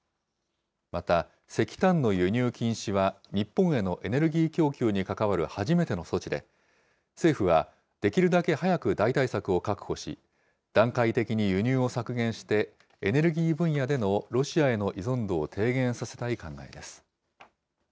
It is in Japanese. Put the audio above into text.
また、石炭の輸入禁止は日本へのエネルギー供給に関わる初めての措置で、政府はできるだけ早く代替策を確保し、段階的に輸入を削減してエネルギー分野でのロシアへの依存度を低減させたい考えです。